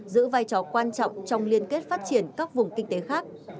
giữ vai trò quan trọng trong liên kết phát triển các vùng kinh tế khác